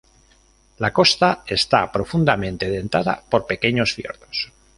La costa esta profundamente dentada por pequeños fiordos.